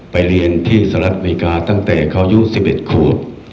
ไปเรียนที่สลัดอเมริกาตั้งแต่เขายู่๑๑ควบ